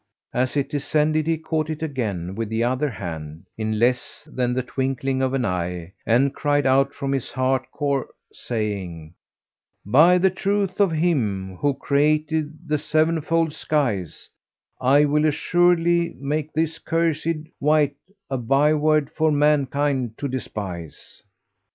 As it descended, he caught it again with the other hand, in less than the twinkling of an eye, and cried out from his heart core, saying, "By the truth of Him who created the sevenfold skies, I will assuredly make this cursed wight a byword for mankind to despise!"